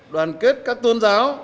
đoàn kết các tôn giáo